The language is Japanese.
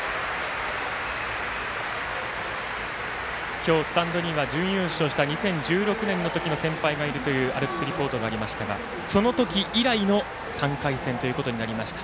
今日、スタンドには準優勝した２０１６年の時の先輩がいるというアルプスリポートがありましたがその時以来の３回戦ということになりました。